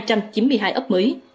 hai trăm chín mươi hai ấp mới